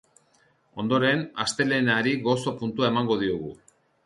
Ondoren, astelehenari gozo puntua emango diogu.